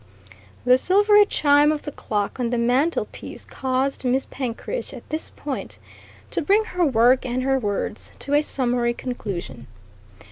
The silvery chime of the clock on the mantelpiece caused Miss Penkridge, at this point, to bring her work and her words to a summary conclusion.